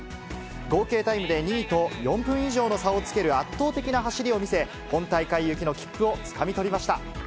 合計タイムで２位と４分以上の差をつける圧倒的な走りを見せ、本大会行きの切符をつかみ取りました。